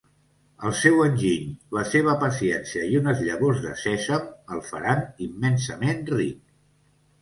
El seu enginy, la seva paciència i unes llavors de sèsam, el faran immensament ric.